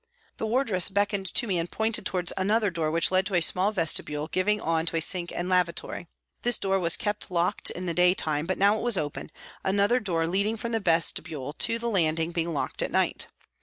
The wardress beckoned to me and pointed towards another door which led to a small vestibule giving on to a sink and lavatory. This door was kept locked in the day time, but now it was open, another door leading from the vestibule to the landing being locked at night.